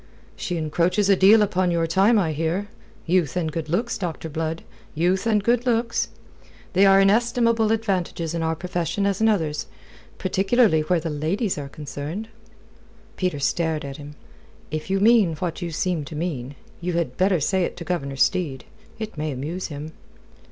"She encroaches a deal upon your time, I hear. Youth and good looks, Doctor Blood! Youth and good looks! They are inestimable advantages in our profession as in others particularly where the ladies are concerned." Peter stared at him. "If you mean what you seem to mean, you had better say it to Governor Steed. It may amuse him."